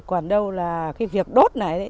còn đâu là cái việc đốt này thì